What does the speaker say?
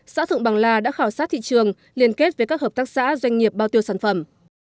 xã thượng bằng la đã khảo sát thị trường liên kết với các hợp tác xã doanh nghiệp bao tiêu sản phẩm